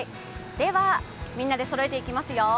では、みんなでそろえていきますよ